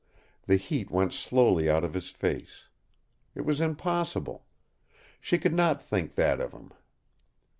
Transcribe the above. The heat went slowly out of his face. It was impossible. She could not think that of him.